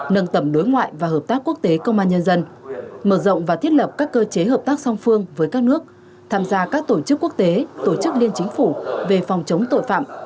nâng tầm đối ngoại và hợp tác quốc tế công an nhân dân mở rộng và thiết lập các cơ chế hợp tác song phương với các nước tham gia các tổ chức quốc tế tổ chức liên chính phủ về phòng chống tội phạm